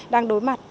đang đối mặt